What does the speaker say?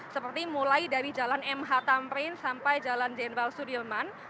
seperti mulai dari jalan mh tamrin sampai jalan jenderal sudirman